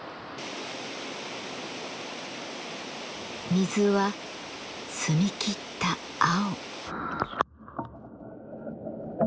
水は澄み切った青。